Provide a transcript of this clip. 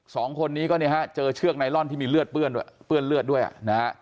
สองคนนี้ก็เนี่ยฮะเจอเชือกไนลอนที่มีเลือดเปื้อนเลือดด้วยนะฮะ